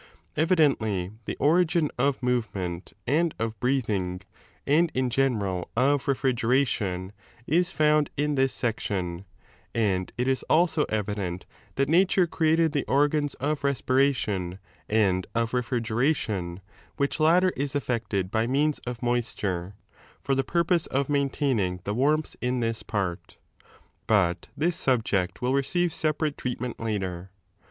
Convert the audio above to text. * Evidently the origin of movement and of breathing, and in general of refrigeration, is found in this section, and it is also evident that nature created the ot^ns of respiration and of refrigeration, which latter is effected by means of moisture, for the purpose of maintaining the warmth in this part.* But this subject will receive 16 separate treatment later.